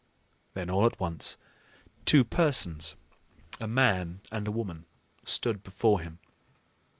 Then, all at once, two persons, a man and a woman, stood before him.